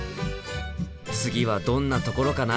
次はどんなところかな。